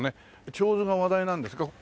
手水が話題なんですか？